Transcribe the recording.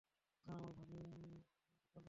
আর আমাদের ভাবি ভোপালের বাসিন্দা।